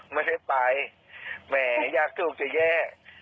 ไม่ได้ไปแหมอยากถูกจะแย่